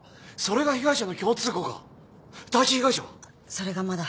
それがまだ。